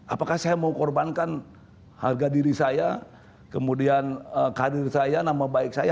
apakah saya mau korbankan harga diri saya kemudian karir saya nama baik saya